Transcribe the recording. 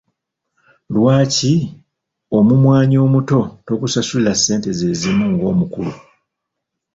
Lwaki omummwanyi omuto togusasulira ssente ze zimu ng'omukulu?